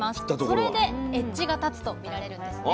それでエッジが立つとみられるんですね。